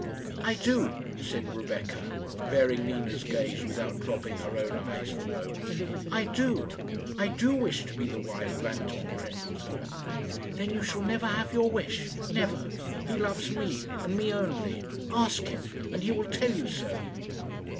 "I do," said Rebecca, bearing Nina's gaze without dropping her own eyes for a moment. "I do. I do wish to be the wife of Anton Trendellsohn." "Then you shall never have your wish never. He loves me, and me only. Ask him, and he will tell you so."